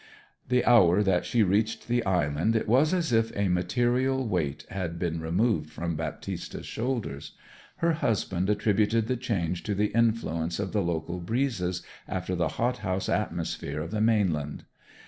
The hour that she reached the island it was as if a material weight had been removed from Baptista's shoulders. Her husband attributed the change to the influence of the local breezes after the hot house atmosphere of the mainland.